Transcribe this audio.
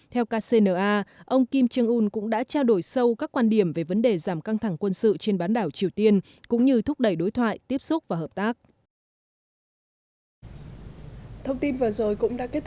theo kcna ông kim jong un cũng đã trao đổi sâu các quan điểm về vấn đề giảm căng thẳng quân sự trên bán đảo triều tiên cũng như thúc đẩy đối thoại tiếp xúc và hợp tác